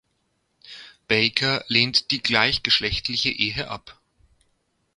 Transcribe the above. Baker lehnt die Gleichgeschlechtliche Ehe ab.